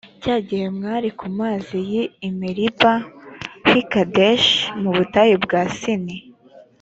cya gihe mwari ku mazi y’i meriba h’i kadeshi, mu butayu bwa sini,